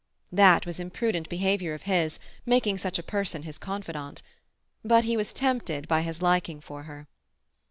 That was imprudent behaviour of his, making such a person his confidante. But he was tempted by his liking for her.